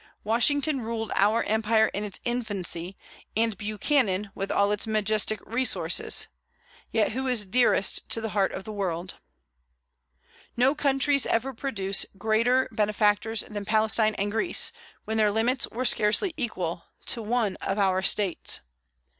Washington ruled our empire in its infancy; and Buchanan, with all its majestic resources, yet who is dearest to the heart of the world? No countries ever produced greater benefactors than Palestine and Greece, when their limits were scarcely equal to one of our States.